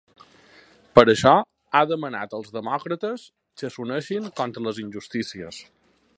Per això ha demanat als demòcrates que s’uneixin contra les injustícies.